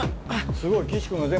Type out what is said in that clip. すごい。